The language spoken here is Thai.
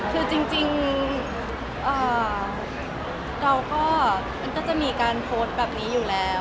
คือจริงเราก็มันก็จะมีการโพสต์แบบนี้อยู่แล้ว